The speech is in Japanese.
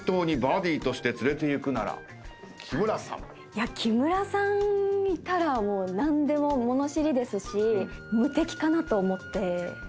いや木村さんいたらもう何でも物知りですし無敵かなと思って。